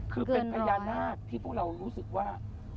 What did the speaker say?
คือเป็นพญานาคที่พวกเรารู้สึกว่า